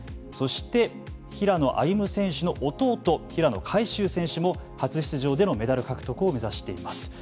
そして平野歩夢選手の弟平野海祝選手も初出場でのメダル獲得を目指しています。